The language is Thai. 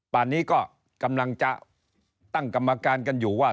ป่านนี้ก็กำลังจะตั้งกรรมการกันอยู่ว่า